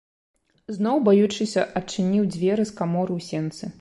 Зноў, баючыся, адчыніў дзверы з каморы ў сенцы.